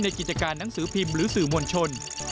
กิจการหนังสือพิมพ์หรือสื่อมวลชน